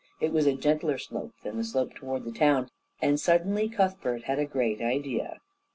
It was a gentler slope than the slope toward the town, and suddenly Cuthbert had a great idea.